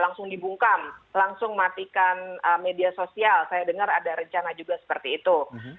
langsung dibungkam langsung matikan media sosial saya dengar ada rencana juga seperti itu